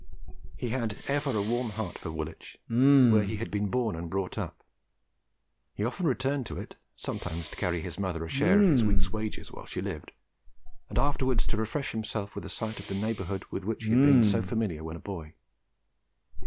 He had ever a warm heart for Woolwich, where he had been born and brought up. He often returned to it, sometimes to carry his mother a share of his week's wages while she lived, and afterwards to refresh himself with a sight of the neighbourhood with which he had been so familiar when a boy.